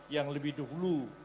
yang lebih dulu